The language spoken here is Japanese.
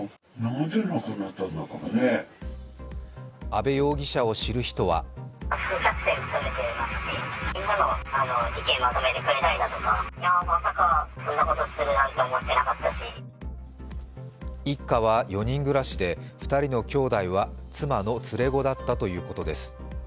阿部容疑者を知る人は一家は４人暮らしで、２人の兄弟は妻の連れ子だったということです。